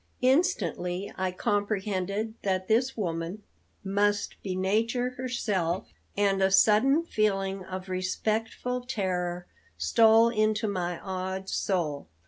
Instantly I comprehended that this woman must be nature herself, and a sudden feeling of respectful terror stole into my awed soul.